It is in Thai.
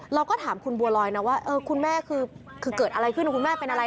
เราก็ถามคุณบัวลอยนะว่าคุณแม่คือเกิดอะไรขึ้นคุณแม่เป็นอะไร